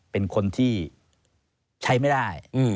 เป็นคนที่ใช้ไม่ได้